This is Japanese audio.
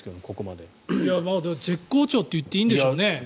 でも絶好調といっていいんでしょうね。